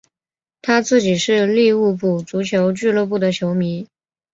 他自己是利物浦足球俱乐部的球迷。